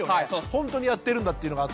ほんとにやってるんだというのがあって。